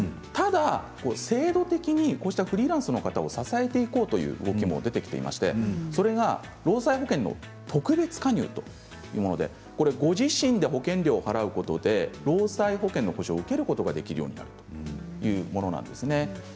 ただ制度的に、こうしたフリーランスの方を支えていこうという動きも出てきていましてそれが労災保険の特別加入というものでご自身で保険料を払うことで労災保険の補償を受けることができるようになっているというものなんです。